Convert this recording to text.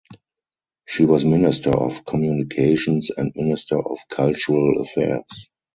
She was Minister of Communications and Minister of Cultural Affairs.